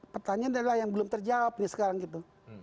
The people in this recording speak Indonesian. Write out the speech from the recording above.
pertanyaan adalah yang belum terjawab nih sekarang gitu